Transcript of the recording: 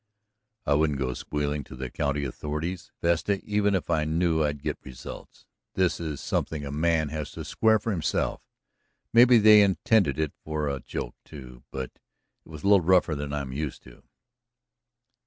"I wouldn't go squealing to the county authorities, Vesta, even if I knew I'd get results. This is something a man has to square for himself. Maybe they intended it for a joke, too, but it was a little rougher than I'm used to."